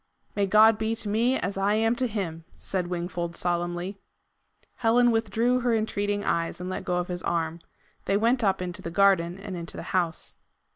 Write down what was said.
"May God be to me as I am to him!" said Wingfold solemnly. Helen withdrew her entreating eyes, and let go his arm. They went up into the garden and into the house.